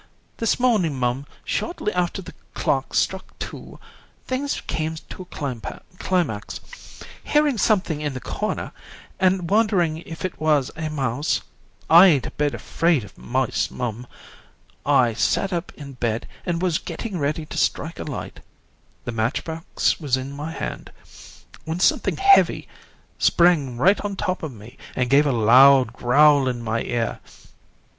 This morning, mum, shortly after the clock struck two, things came to a climax. Hearing something in the corner and wondering if it was a mouse I ain't a bit afraid of mice, mum I sat up in bed and was getting ready to strike a light the matchbox was in my hand when something heavy sprang right on the top of me and gave a loud growl in my ear.